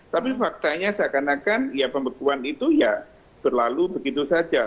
tapi faktanya seakan akan ya pembekuan itu ya berlalu begitu saja